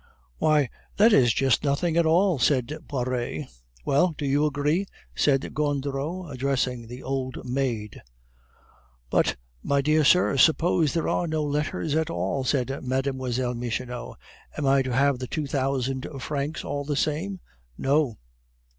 "Why, that is just nothing at all," said Poiret. "Well, do you agree?" said Gondureau, addressing the old maid. "But, my dear sir, suppose there are no letters at all," said Mlle. Michonneau; "am I to have the two thousand francs all the same?" "No."